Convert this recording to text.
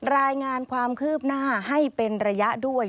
รายงานความคืบหน้าให้เป็นระยะด้วย